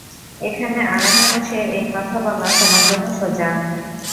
এখানে আরামে বসে এই কথা বলা তোমার জন্য সোজা।